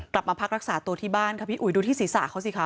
กลับมาพักรักษาตัวที่บ้านค่ะพี่อุ๋ยดูที่ศีรษะเขาสิคะ